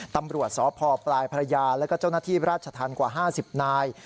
ตำรวจสพปลายภรรยาแล้วก็เจ้าหน้าที่ราชธรรมกว่า๕๐นาย